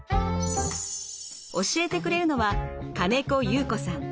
教えてくれるのは金子祐子さん。